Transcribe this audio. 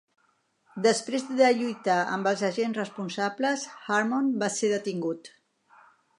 Després de lluitar amb els agents responsables, Harmon va ser detingut.